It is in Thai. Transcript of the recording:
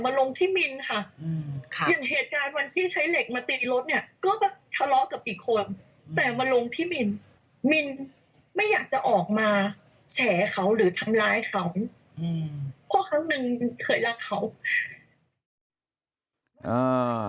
มาลงที่มินมินไม่อยากจะออกมาแฉเขาหรือทำร้ายเขาเพราะครั้งนึงเคยรักเขา